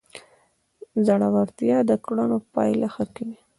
زړورتیا د کړنو پایله ښه کوي.